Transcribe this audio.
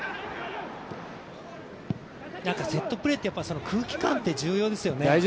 セットプレーって空気感って重要ですよね。